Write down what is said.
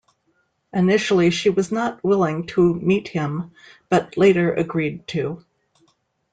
Initially, she was not willing to meet him, but later agreed to.